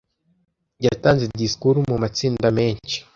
Yatanze disikuru mu matsinda menshi.